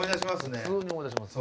普通に思い出します。